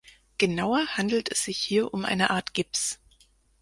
Genauer handelt es sich hier um eine Art Gips.